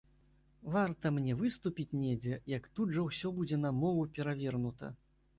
Варта мне выступіць недзе, як тут жа ўсё будзе на мову перавернута.